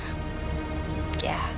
sampai jumpa lagi